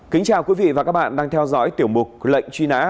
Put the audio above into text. kính chào quý vị và các bạn đang theo dõi tiểu mục lệnh truy nã